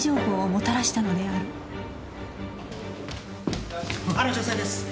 あの女性です。